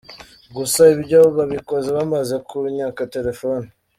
Gusa ibyo babikoze bamaze kunyaka telephone.